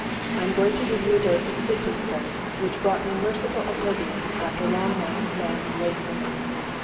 I am going to give you a dose of sleeping stuff which brought me merciful oblivion, after long nights of maddening wakefulness.